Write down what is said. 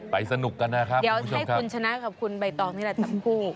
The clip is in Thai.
ไปสนุกกันนะครับคุณผู้ชมครับเดี๋ยวให้คุณชนะกับคุณใบตองนี่แหละครับ